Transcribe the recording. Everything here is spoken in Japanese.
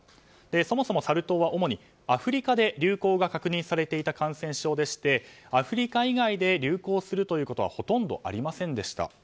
そもそも、サル痘はアフリカで流行が確認されていた感染症でしてアフリカ以外で流行することはほとんどありませんでした。